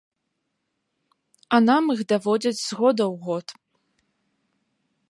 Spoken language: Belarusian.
А нам іх даводзяць з года ў год.